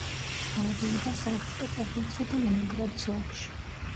მოედინება სანქტ-პეტერბურგსა და ლენინგრადის ოლქში.